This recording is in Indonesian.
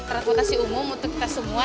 transportasi umum untuk kita semua